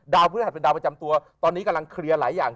พฤหัสเป็นดาวประจำตัวตอนนี้กำลังเคลียร์หลายอย่าง